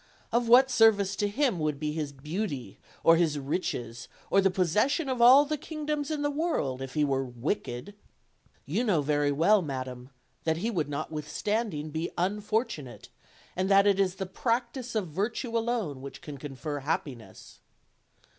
Of what service to him would be his beauty, or his riches, or the possession of all the kingdoms in the world, if he were wicked? You know very well, madam, that he would notwithstanding be unfortunate, and that it is the practice of virtue alone which can confer happiness."